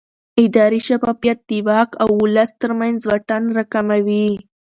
اداري شفافیت د واک او ولس ترمنځ واټن راکموي